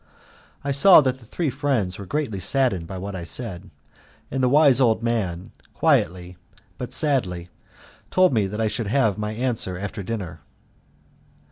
I saw that the three friends were greatly saddened by what I said, and the wise old man, quietly but sadly, told me that I should have my answer after dinner.